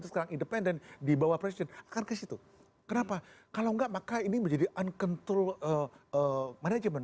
kenapa kalau gak maka ini menjadi uncontrol manajemen